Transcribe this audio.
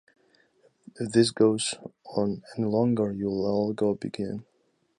If this goes on any longer, you will all go begging.